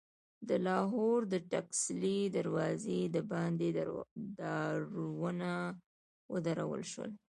د لاهور د ټکسلي دروازې دباندې دارونه ودرول شول.